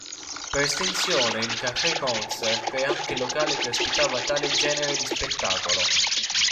Per estensione, il "café-concert" è anche il locale che ospitava tale genere di spettacolo.